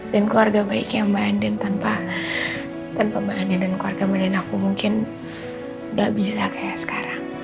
dan keluarga baiknya mbak andin tanpa mbak andin dan keluarga mandi aku mungkin gak bisa kayak sekarang